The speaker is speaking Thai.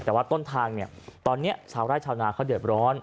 แต่ว่าต้นทางเนี่ยตอนนี้ชาวไร่ชาวนาเขาเดือดร้อน